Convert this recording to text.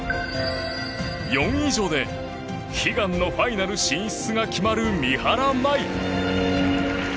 ４位以上で悲願のファイナル進出が決まる三原舞依。